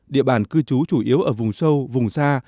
địa bàn cư trú chủ yếu ở vùng sâu vùng xa